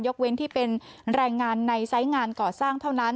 เว้นที่เป็นแรงงานในไซส์งานก่อสร้างเท่านั้น